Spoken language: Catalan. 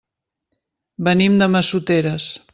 Venim de Massoteres.